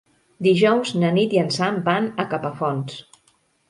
Dijous na Nit i en Sam van a Capafonts.